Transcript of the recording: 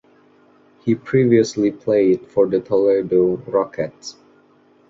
He previously played for the Toledo Rockets.